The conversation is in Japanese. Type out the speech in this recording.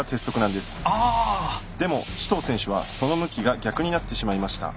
でも紫桃選手はその向きが逆になってしまいました。